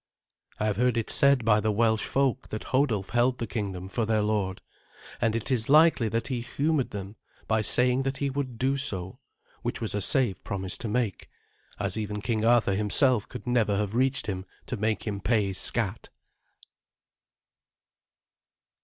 I have heard it said by the Welsh folk that Hodulf held the kingdom for their lord; and it is likely that he humoured them by saying that he would do so, which was a safe promise to make, as even King Arthur himself could never have reached him to make him pay scatt.